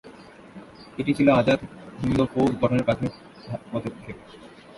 এটি ছিল আজাদ হিন্দ ফৌজ গঠনের প্রাথমিক পদক্ষেপ।